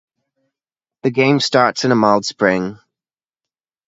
The game starts in a mild spring.